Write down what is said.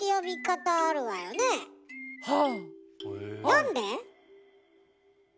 なんで？